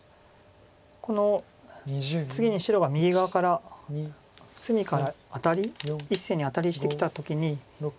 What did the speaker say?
この次に白が右側から隅からアタリ１線にアタリしてきた時に。